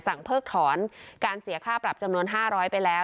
เพิกถอนการเสียค่าปรับจำนวน๕๐๐ไปแล้ว